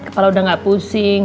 kepala udah gak pusing